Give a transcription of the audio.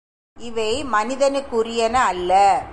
இவை மனிதனுக்குரியன அல்ல.